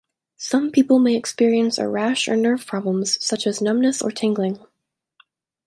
Some people may experience a rash or nerve problems, such as numbness or tingling.